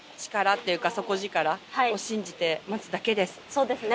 そうですね。